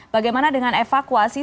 bagaimana dengan evakuasi